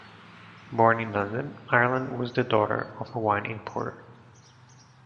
Born in London, Ireland was the daughter of a wine importer.